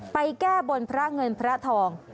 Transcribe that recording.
แก้บนพระเงินพระทอง